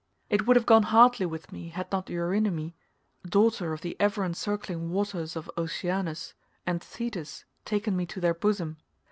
It would have gone hardly with me had not Eurynome, daughter of the ever encircling waters of Oceanus, and Thetis, taken me to their bosom.